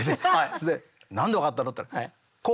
それで「何で分かったの？」って言ったら「声」なんて。